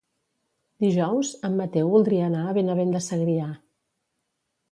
Dijous en Mateu voldria anar a Benavent de Segrià.